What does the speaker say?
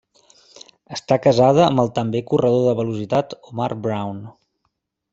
Està casada amb el també corredor de velocitat Omar Brown.